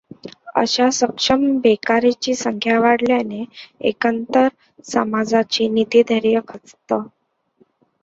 अशा ‘सक्षम बेकारां ची संख्या वाढल्याने एकंदर समाजाचे नितीधैर्य खचतं.